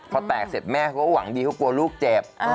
พอแตกเสร็จแม่เขาก็หวังดีเขากลัวลูกเจ็บ